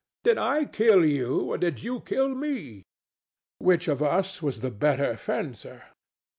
Did I kill you or did you kill me? DON JUAN. Which of us was the better fencer?